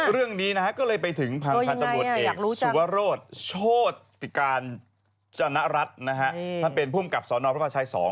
เรื่องนี้นะฮะก็เลยไปถึงพังคันตรวจเอกสุวรรดิ์โชติการจนะรัฐนะฮะถ้าเป็นผู้อำกับสอนรพระพระชาย๒